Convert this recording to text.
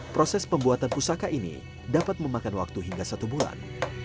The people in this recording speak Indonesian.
proses pembuatan pusaka ini dapat memakan waktu hingga satu bulan